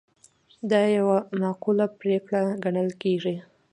دا یوه معقوله پرېکړه ګڼل کیږي.